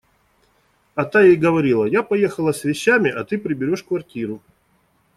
А та ей говорила: – Я поехала с вещами, а ты приберешь квартиру.